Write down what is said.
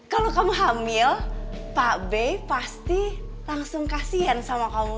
kalau kamu hamil pak b pasti langsung kasian sama kamu